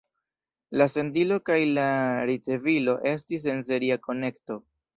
La sendilo kaj la ricevilo estis en seria konekto.